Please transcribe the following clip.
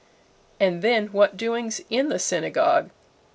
And then what doings in the synagogue!